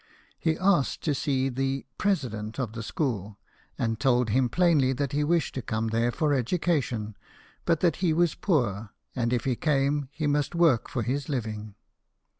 He asked to sea the " president" of the school, and told him plainly that he wished to come there for educa tion, but that he was poor, and if he came, he must work for his living.